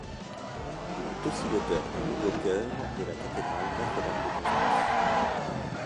Il est aussi l'auteur du nouveau chœur de la cathédrale Notre-Dame de Constance.